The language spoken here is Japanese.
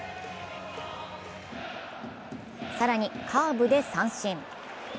更にカーブで三振。